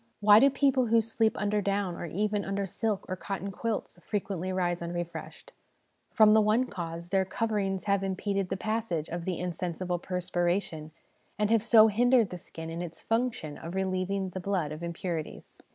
Why do people who sleep under down, or even under silk or cotton quilts, frequently rise un refreshed ? From the one cause : their coverings have impeded the passage of the insensible perspiration, and so have hindered the skin in its function of relieving the blood of impurities.